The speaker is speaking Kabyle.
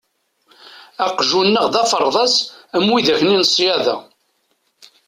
Aqjun-nneɣ d aferḍas am widak-nni n ṣyada.